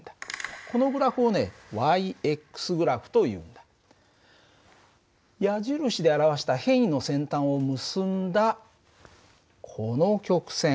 このグラフをね−グラフというん矢印で表した変位の先端を結んだこの曲線